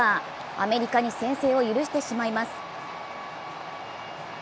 アメリカに先制を許してしまいます。